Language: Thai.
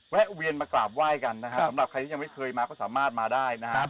แวะเวียนมากราบไหว้กันนะครับสำหรับใครที่ยังไม่เคยมาก็สามารถมาได้นะครับ